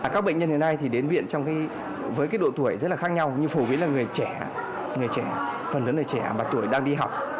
các bệnh nhân hiện nay thì đến viện trong khi với độ tuổi rất là khác nhau nhưng phổ biến là người trẻ người trẻ phần lớn là trẻ và tuổi đang đi học